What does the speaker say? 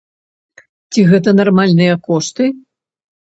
Ці гэта нармальныя кошты?